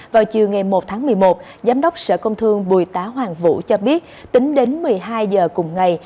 vào chiều ngày một tháng một mươi một giám đốc sở công thương bùi tá hoàng vũ cho biết tính đến một mươi hai giờ cùng ngày